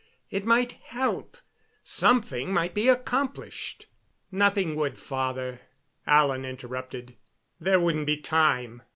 It might help something might be accomplished " "Nothing would, father," Alan interrupted. "There wouldn't be time.